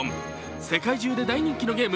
世界中で大人気のゲーム